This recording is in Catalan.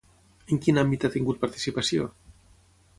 En quin àmbit ha tingut participació?